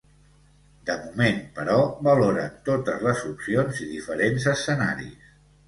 De moment, però, valoren totes les opcions i diferents escenaris.